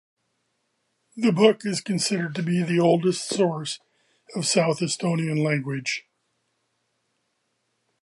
The book is considered to be the oldest source of South Estonian language.